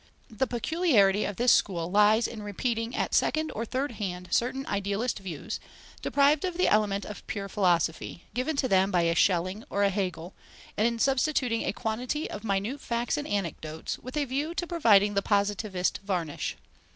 The peculiarity of this school lies in repeating at second or third hand certain idealist views, deprived of the element of pure philosophy, given to them by a Schelling or a Hegel, and in substituting a quantity of minute facts and anecdotes, with a view to providing the positivist varnish.